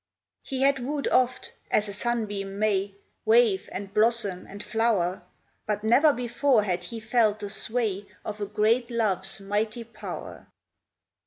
He had wooed oft, as a Sunbeam may, Wave, and blossom, and flower; But never before had he felt the sway Of a great love's mighty power.